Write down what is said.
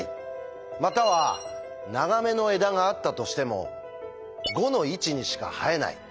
または長めの枝があったとしても５の位置にしか生えない。